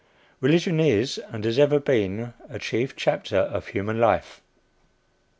Religion is and has ever been a chief chapter of human life.